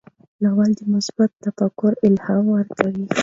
ناول د مثبت تفکر الهام ورکوي.